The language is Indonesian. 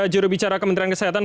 jurubicara kementerian kesehatan